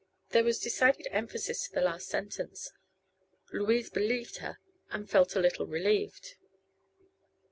There was decided emphasis to the last sentence. Louise believed her and felt a little relieved.